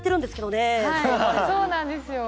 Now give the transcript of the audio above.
そうなんですよ。